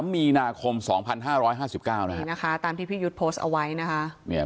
๓มีนาคม๒๕๕๙นะคะตามที่พี่ยุทธโพสต์เอาไว้นะคะ